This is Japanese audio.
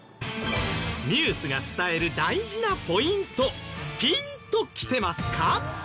ニュースが伝える大事なポイントピンときてますか？